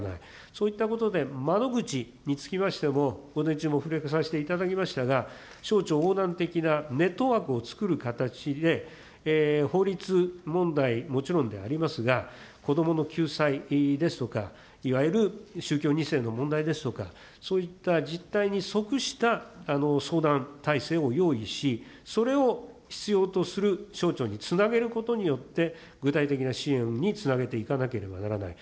そういったことで、窓口につきましても、午前中もふれされていただきましたが、省庁横断的なネットワークをつくる形で、法律問題、もちろんでありますが、子どもの救済ですとか、いわゆる宗教２世の問題ですとか、そういった実態に即した相談体制を用意し、それを必要とする省庁につなげることによって具体的な支援につなげていかなければならない。